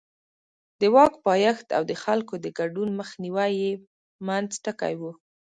د واک پایښت او د خلکو د ګډون مخنیوی یې منځ ټکی و.